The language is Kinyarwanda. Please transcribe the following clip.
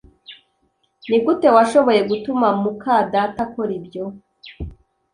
Nigute washoboye gutuma muka data akora ibyo?